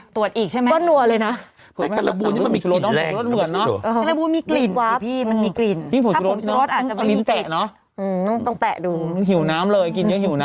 ตรวจอีกใช่ไหมอะไรนะตรวจอีกเลยแบบนี้